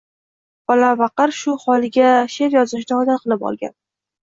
Bolapaqir, shu holiga... she’r yozishni odat qilib olgan!